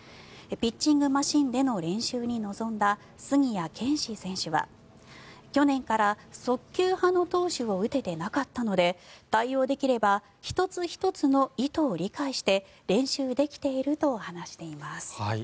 ピッチングマシンでの練習に臨んだ、杉谷拳士選手は去年から速球派の投手を打てていなかったので対応できれば１つ１つの意図を理解して練習できていると話しています。